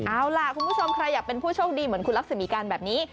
เอาล่ะคุณผู้ชมใครอยากเป็นผู้โชคดีเหมือนคุณลักษณะมีการแบบนี้